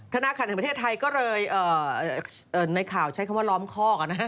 ธนาคารแห่งประเทศไทยก็เลยในข่าวใช้คำว่าล้อมคอก